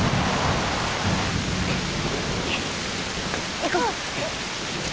行こう。